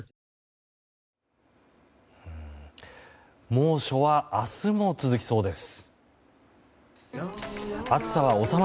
猛暑は明日も続きそうです。